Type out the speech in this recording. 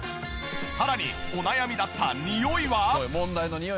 さらにお悩みだったニオイは？